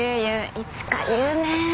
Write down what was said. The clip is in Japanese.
いつか言うねえ。